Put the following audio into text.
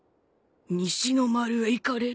西の丸へ行かれる？